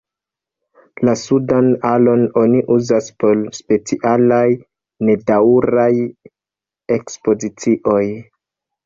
La sudan alon oni uzas por specialaj, nedaŭraj ekspozicioj.